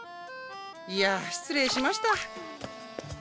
いや失礼しました。